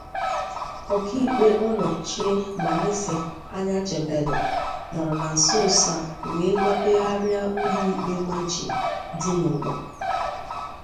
Ọkaikpe Onochie Manasseh Anyachebelu nọrọ na nsonso a wee gbapegharịa ụlọikpe majie dị n'Ụkpọr